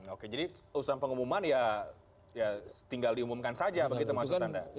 oke jadi urusan pengumuman ya tinggal diumumkan saja begitu maksud anda